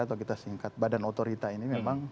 atau kita singkat badan otorita ini memang